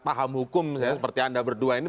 paham hukum misalnya seperti anda berdua ini